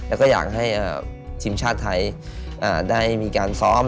แล้วก็อยากให้ทีมชาติไทยได้มีการซ้อม